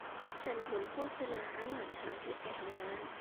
ฉันเห็นโฆษณาระหว่างทางที่ไปทำงาน